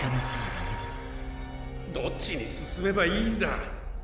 どっちにすすめばいいんだ！